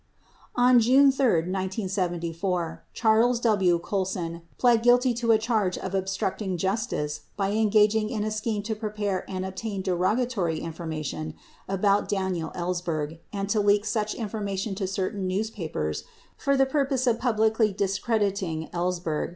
On June 3, 1974, Charles W. Colson pled guilty to a charge of obstructing justice by engaging in a scheme to prepare and obtain derogatory information about Daniel Ellsberg and to leak such information to certain newspapers for the purpose of publicly dis crediting Ellsberg.